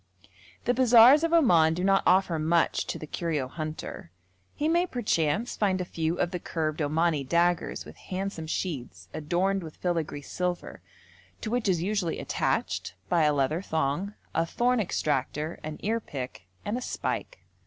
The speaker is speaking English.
The bazaars of Oman do not offer much to the curio hunter. He may perchance find a few of the curved Omani daggers with handsome sheaths adorned with filigree silver, to which is usually attached, by a leather thong, a thorn extractor, an earpick, and a spike.